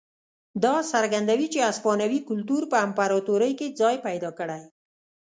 دا څرګندوي چې هسپانوي کلتور په امپراتورۍ کې ځای پیدا کړی.